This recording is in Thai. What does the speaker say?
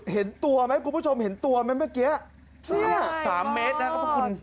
เห็นตัวไหมคุณผู้ชมเห็นตัวไหมเมื่อกี้เสื้อสามเมตรนะครับพวกคุณ